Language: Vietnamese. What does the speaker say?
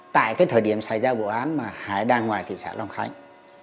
tại cái thời điểm xảy ra vụ án mà hải đang ngoài thị xã long khánh